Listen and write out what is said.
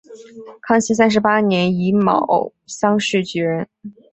康熙三十八年己卯乡试举人。